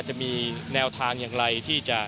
จะมีแนวทางอย่างไรที่จะ